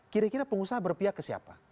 kira kira pengusaha berpihak ke siapa